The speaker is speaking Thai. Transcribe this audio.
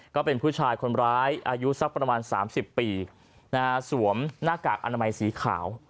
ก็เป็นผู้ชายคนร้ายอายุสักประมาณ๓๐ปีสวมหน้ากากอนามัยสีขาว